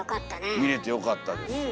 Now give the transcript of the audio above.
見れてよかったです。